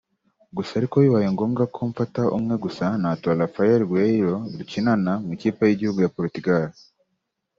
gusa ariko bibaye ngombwa ko mfata umwe gusa natora Raphael Guerreiro dukinana mu ikipe y’igihugu ya Portugal